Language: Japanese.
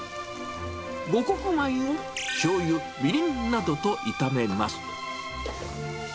五穀米をしょうゆ、みりんなどと炒めます。